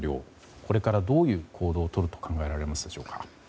これからどういう行動をとると考えられますか？